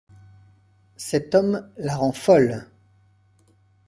Cet homme la rend folle.